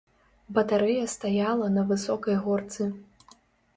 Батарэя стаяла на высокай горцы.